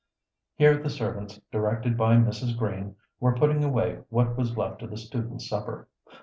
Here the servants, directed by Mrs. Green, were putting away what was left of the students' supper.